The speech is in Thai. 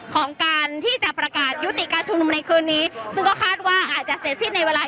ของการที่จะประกาศยุติการชุมนุมในคืนนี้ซึ่งก็คาดว่าอาจจะเสร็จสิ้นในเวลา